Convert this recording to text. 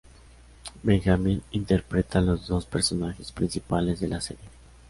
Benjamin interpreta a los dos personajes principales de la serie.